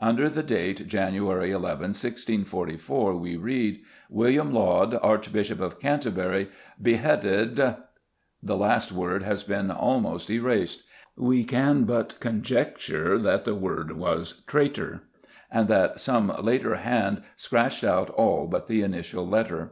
Under the date January 11, 1644, we read: "William Laud, Archbishop of Canterbury, beheaded T ." The last word has been almost erased. We can but conjecture that the word was "Traitor," and that some later hand scratched out all but the initial letter.